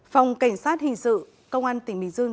phòng cảnh sát hình sự công an tỉnh bình dương